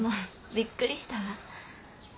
びっくりしたわ。